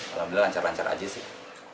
alhamdulillah lancar lancar aja sih